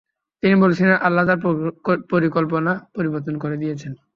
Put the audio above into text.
তিনি বলেছিলেন আল্লাহ তার পরিকল্পনা পরিবর্তন করে দিয়েছেন।